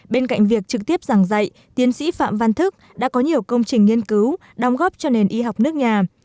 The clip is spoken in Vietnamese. bên cạnh việc trực tiếp giảng dạy tiến sĩ phạm văn thức đã có nhiều công trình nghiên cứu đóng góp cho nền y học nước nhà